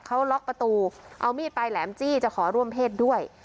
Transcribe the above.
เขาล็อกประตูเอามีดปลายแหลมจี้จะขอร่วมเพศด้วย